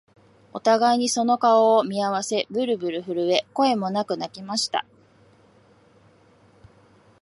お互いにその顔を見合わせ、ぶるぶる震え、声もなく泣きました